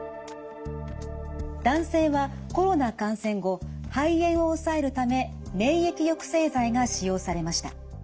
男性はコロナ感染後肺炎を抑えるため免疫抑制剤が使用されました。